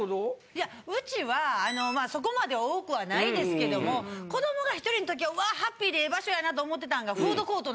いやうちはそこまで多くはないですけども子どもが１人んときはわハッピーでええ場所やなと思ってたんが。